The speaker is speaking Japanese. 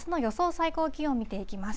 最高気温見ていきます。